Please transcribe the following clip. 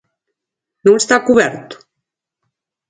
¿Non está cuberto?